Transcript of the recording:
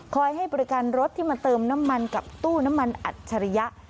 ให้บริการรถที่มาเติมน้ำมันกับตู้น้ำมันอัจฉริยะ